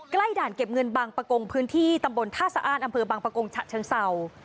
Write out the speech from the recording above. ด่านเก็บเงินบางประกงพื้นที่ตำบลท่าสะอ้านอำเภอบางประกงฉะเชิงเศร้า